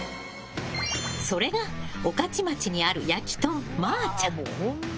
それが、御徒町にあるやきとんまちゃん。